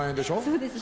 そうです。